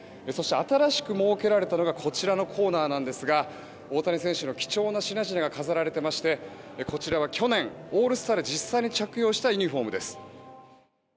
そして新しく設けられたのがこちらのコーナーなんですが大谷選手の貴重な品々が飾られていましてこちらは去年、オールスターで実際に着用したユニホームです。